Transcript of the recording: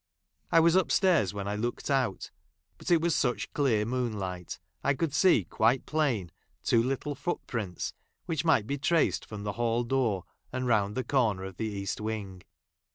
■! I was up stairs when I looked out ; but, it i was such clear moonlight, I could see quite plain two little footprints, which might be traced from the hall door, and round the i corner of the east wing.